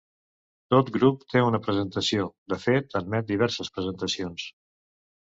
Tot grup té una presentació; de fet, admet diverses presentacions.